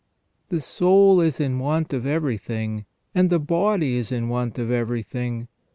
The soul is in want of everything, and the body is in want of everything.